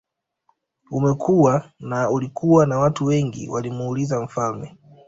Umekua na ulikuwa na watu wengi walimuuliza mfalme